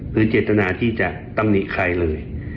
คือเจตนาที่จะตำหนิใครเลย